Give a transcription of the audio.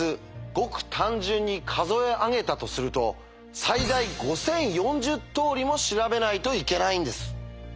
ごく単純に数え上げたとすると最大５０４０通りも調べないといけないんです。